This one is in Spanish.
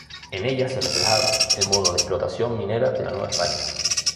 En ellas se reflejaba el modo de explotación minera en la Nueva España.